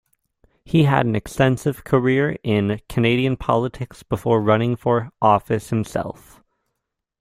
He had an extensive career in Canadian politics before running for office himself.